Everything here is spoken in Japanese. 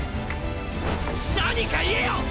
何か言えよ